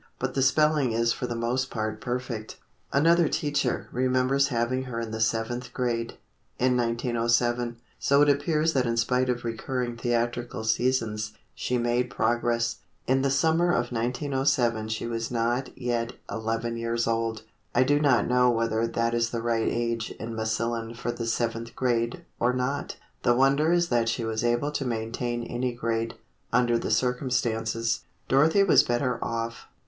But the spelling is for the most part perfect. Another teacher remembers having her in the Seventh Grade, in 1907, so it appears that in spite of recurring theatrical seasons, she made progress. In the summer of 1907 she was not yet eleven years old. I do not know whether that is the right age in Massillon for the Seventh Grade, or not. The wonder is that she was able to maintain any grade, under the circumstances. Dorothy was better off.